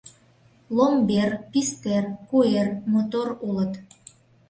— Ломбер, пистер, куэр мотор улыт.